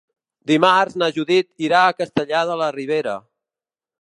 Dimarts na Judit irà a Castellar de la Ribera.